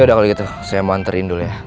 yaudah kalau gitu saya mau anterin dulu ya